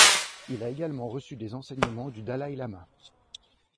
Il a également reçu des enseignements du Dalaï Lama.